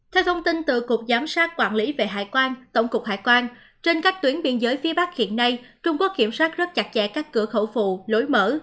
theo thông tin từ cục giám sát quản lý về hải quan tổng cục hải quan trên các tuyến biên giới phía bắc hiện nay trung quốc kiểm soát rất chặt chẽ các cửa khẩu phụ lối mở